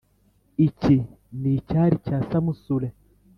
Iki ni icyari cya samusure